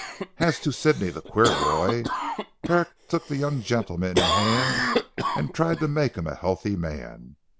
As to Sidney, the queer boy. Herrick took that young gentleman in hand and tried to make him a healthy man.